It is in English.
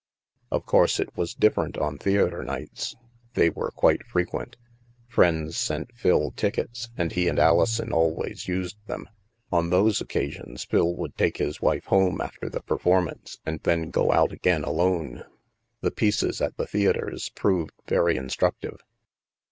Of course, it was different on theatre nights; they were quite frequent. Friends sent Phil tickets, and he and Alison always used them. On those occasions Phil would take his wife home after the performance, and then go out again alone. The pieces at the theatres proved very instruc tive.